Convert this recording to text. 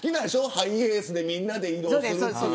ハイエースでみんなで移動する。